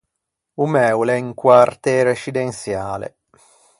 O mæ o l’é un quartê rescidensiale.